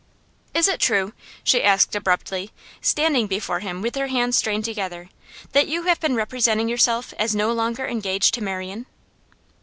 'Is it true,' she asked abruptly, standing before him with her hands strained together, 'that you have been representing yourself as no longer engaged to Marian?